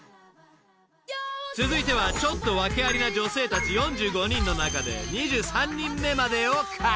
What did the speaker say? ［続いてはちょっとワケありな女性たち４５人の中で２３人目までを解禁］